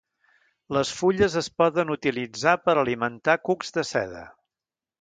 Les fulles es poden utilitzar per alimentar cucs de seda.